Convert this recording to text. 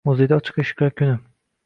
Muzeyda “Ochiq eshiklar kuni”